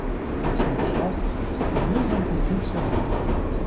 У цей час під низом почувся вибух.